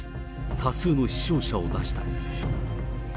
多数の死傷者を出した。